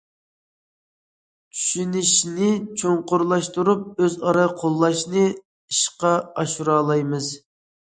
چۈشىنىشنى چوڭقۇرلاشتۇرۇپ، ئۆزئارا قوللاشنى ئىشقا ئاشۇرالايمىز.